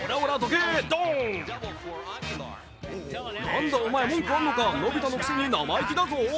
なんだお前、文句あんのか、のび太のくせに生意気だぞ。